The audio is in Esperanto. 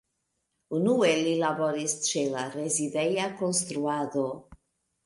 Unue li laboris ĉe la rezideja konstruado.